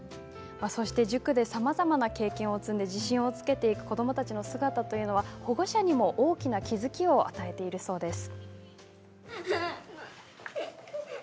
塾で、さまざまな経験を積んで自信をつけていく子どもたちの姿は保護者たちにも大きな気付きを与えているそうです。